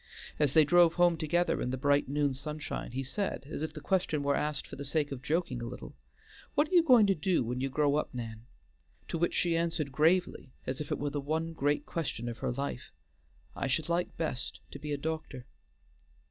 As they drove home together in the bright noon sunshine, he said, as if the question were asked for the sake of joking a little, "What are you going to do when you grow up, Nan?" to which she answered gravely, as if it were the one great question of her life, "I should like best to be a doctor."